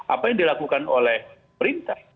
apa yang dilakukan oleh perintah